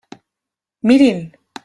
Mirin!